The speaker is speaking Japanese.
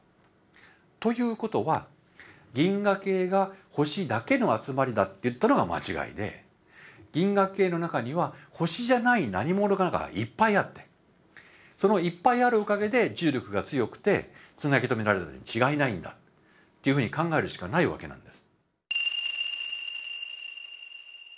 ということは銀河系が星だけの集まりだっていったのが間違いで銀河系の中には星じゃない何ものかがいっぱいあってそのいっぱいあるおかげで重力が強くてつなぎ止められてるに違いないんだっていうふうに考えるしかないわけなんです。